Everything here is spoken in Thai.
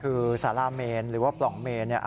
คือสาราเมนหรือว่าปล่องเมนเนี่ย